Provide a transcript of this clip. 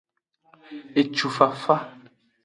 Ecufafa.